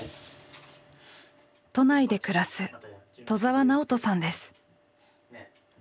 都内で暮らす戸澤直人さんです。